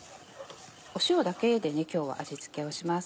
塩だけで今日は味付けをします。